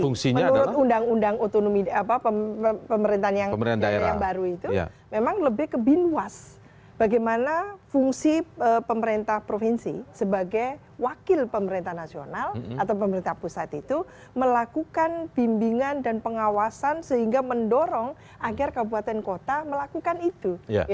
menurut undang undang otomomi pemerintahan yang baru itu memang lebih kebinwas bagaimana fungsi pemerintah provinsi sebagai wakil pemerintah nasional atau pemerintah pusat itu melakukan bimbingan dan pengawasan sehingga mendorong agar kabupaten dan kota melakukan itu